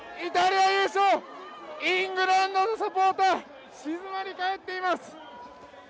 イングランドのサポーター静まり返っています！